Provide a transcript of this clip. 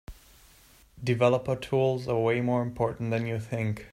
Developer Tools are way more important than you think.